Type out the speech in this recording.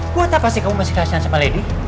buat apa sih kamu masih kasihan sama lady